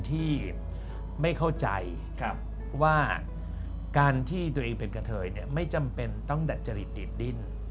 ที่ไม่เข้าใจว่าการที่ตัวเองเป็นกะเทยไม่จำเป็นต้องดัดจริตตีบดิ้น